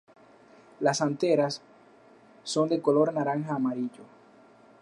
Las anteras son de color naranja-amarillo.